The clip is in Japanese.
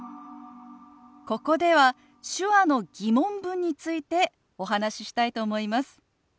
ここでは手話の疑問文についてお話ししたいと思います。